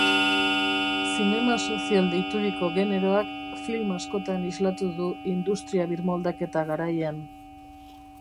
Zinema sozial deituriko generoak film askotan islatu du industria-birmoldaketa garaian.